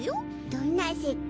どんな設定？